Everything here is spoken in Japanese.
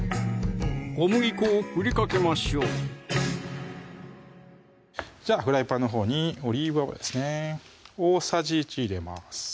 小麦粉を振りかけましょうじゃあフライパンのほうにオリーブ油ですね大さじ１入れます